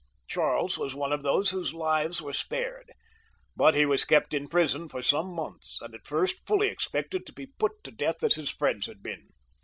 Charles was one of those whose life was spared, but he was kept in prison for some months, and at first fully expected to be put to death as his friends had been.